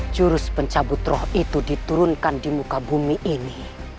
jurus pencabut roh itu diturunkan di muka bumi ini